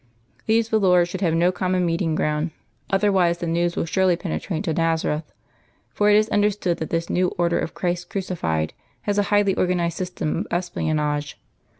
These volors should have no common meeting ground, otherwise the news will surely penetrate to Nazareth, for it is understood that, this new Order of Christ Crucified has a highly organised system of espionage.